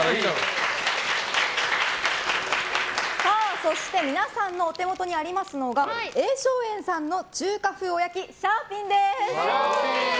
そして皆さんのお手元にありますのが永昌園さんの中華風おやきシャーピンです。